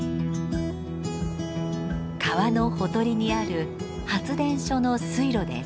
川のほとりにある発電所の水路です。